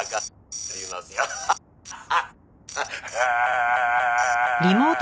「ハハハハ！」